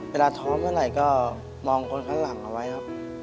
ท้อเมื่อไหร่ก็มองคนข้างหลังเอาไว้ครับ